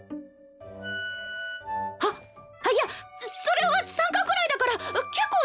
あっあっいやそれは３巻くらいだから結構序盤で。